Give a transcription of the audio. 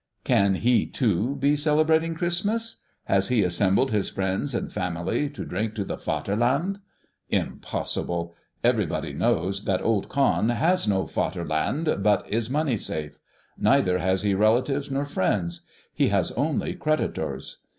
Can he too be celebrating Christmas? Has he assembled his friends and family to drink to the Vaterland? Impossible. Everybody knows that old Cahn has no Fatherland but his money safe. Neither has he relatives nor friends; he has only creditors.